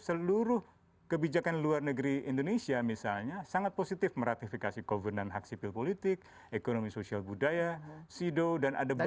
seluruh kebijakan luar negeri indonesia misalnya sangat positif meratifikasi kovenant hak sipil politik ekonomi sosial budaya sido dan ada budaya